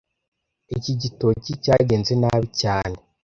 Iki gitoki cyagenze nabi cyane